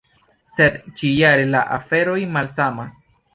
Sed ĉi-jare la aferoj malsamas.